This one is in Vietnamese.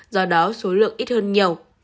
do đó số lượng ít hơn nhiều